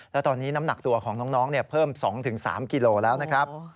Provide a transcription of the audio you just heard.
แล้วตอนนี้น้ำหนักตัวของน้องเพิ่ม๒๓กิโลแล้วนะครับ